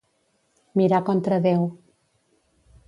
Mirar contra Déu.